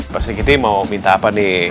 pak dikitin mau minta apa nih